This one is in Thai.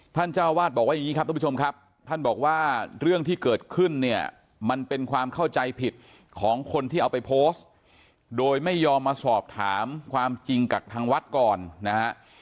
เจ้าวาดบอกว่าอย่างนี้ครับทุกผู้ชมครับท่านบอกว่าเรื่องที่เกิดขึ้นเนี่ยมันเป็นความเข้าใจผิดของคนที่เอาไปโพสต์โดยไม่ยอมมาสอบถามความจริงกับทางวัดก่อนนะฮะ